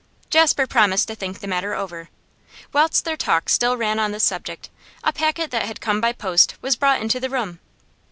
Jasper promised to think the matter over. Whilst their talk still ran on this subject, a packet that had come by post was brought into the room.